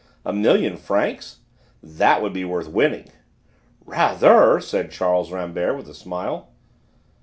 A million francs! That would be worth winning?" "Rather!" said Charles Rambert with a smile.